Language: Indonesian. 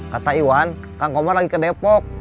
kata iwan kang komar lagi ke depok